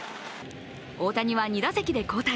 大谷は２打席で交代。